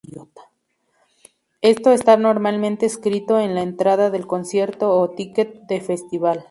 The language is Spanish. Esto está normalmente escrito en la entrada del concierto o ticket de festival.